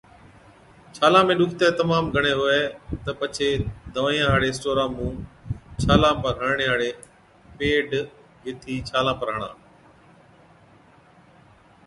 ڇالان ۾ ڏُکتَي تمام گھڻَي هُوَي تہ پڇي دَوائِيان هاڙي اسٽورا مُون ڇالان پر هڻڻي هاڙِي پيڊ گيهٿِي ڇالان پر هڻا،